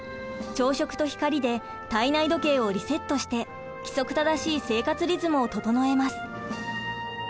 朝食と光で体内時計をリセットして規則正しい生活リズムを整えます。